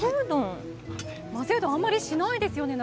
混ぜうどんあんまりしないですよね。